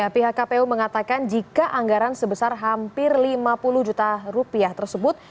pihak kpu mengatakan jika anggaran sebesar hampir lima puluh juta rupiah tersebut